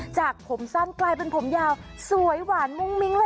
จากผมสั้นกลายเป็นผมยาวสวยหวานมุ้งมิ้งเลย